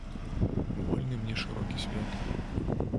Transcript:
Вольны мне шырокі свет.